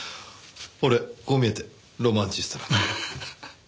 俺こう見えてロマンチストなんで。